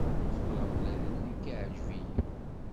Tura ula d nekk iɛǧeb-iyi.